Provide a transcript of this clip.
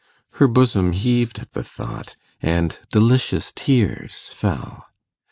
Her bosom heaved at the thought, and delicious tears fell.